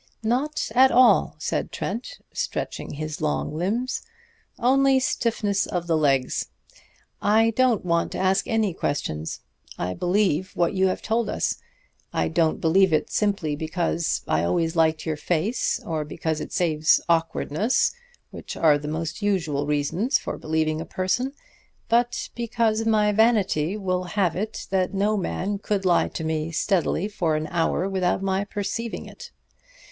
"Not at all," said Trent, stretching his long limbs. "Only stiffness of the legs. I don't want to ask any questions. I believe what you have told us. I don't believe it simply because I always liked your face, or because it saves awkwardness, which are the most usual reasons for believing a person, but because my vanity will have it that no man could lie to me steadily for an hour without my perceiving it.